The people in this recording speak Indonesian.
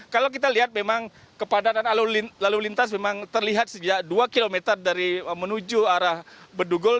kalau kita lihat memang kepadatan lalu lintas memang terlihat sejak dua km dari menuju arah bedugul